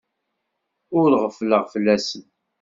Ur ɣeffleɣ fell-asen.